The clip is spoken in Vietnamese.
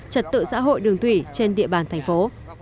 trật tự xã hội đường thủy trên địa bàn thành phố